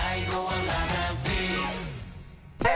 え？